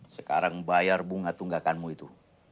sekarang bayar bunga tunggakanmu itu